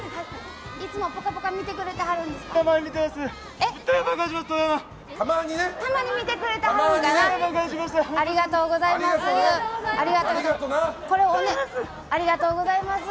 いつも「ぽかぽか」見てくれてはるんですか？